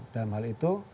dalam hal itu